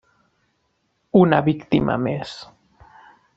Una víctima més.